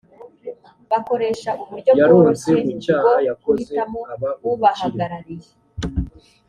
bakoresha uburyo bworoshye bwo guhitamo ubahagarariye